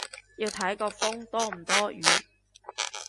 要睇個風多唔多雨